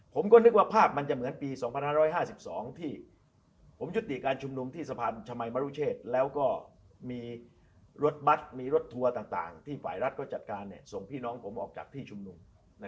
ผมก็นึกว่าภาพมันจะเหมือนปี๒๕๕๒ที่ผมยุติการชุมนุมที่สะพานชมัยมรุเชษแล้วก็มีรถบัตรมีรถทัวร์ต่างที่ฝ่ายรัฐก็จัดการส่งพี่น้องผมออกจากที่ชุมนุม